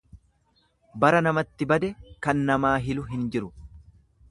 Bara namatti bade kan namaa hilu hin jiru.